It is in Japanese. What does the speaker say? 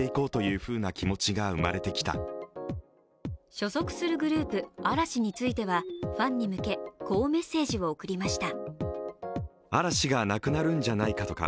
所属するグループ・嵐についてはファンに向けこうメッセージを送りました。